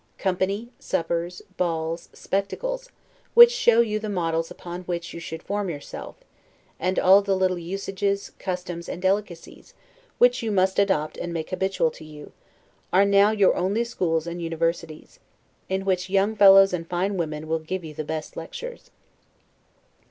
Company, suppers, balls, spectacles, which show you the models upon which you should form yourself, and all the little usages, customs, and delicacies, which you must adopt and make habitual to you, are now your only schools and universities; in which young fellows and fine women will give you the best lectures.